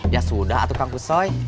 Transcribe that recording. ya sudah kang kusoy